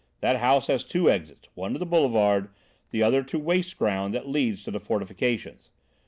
That house has two exits; one to the Boulevard, the other to waste ground that leads to the fortifications.